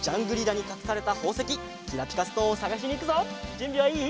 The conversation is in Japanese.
じゅんびはいい？